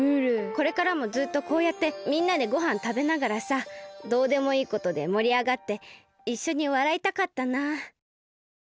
これからもずっとこうやってみんなでごはんたべながらさどうでもいいことでもりあがっていっしょにわらいたかったな。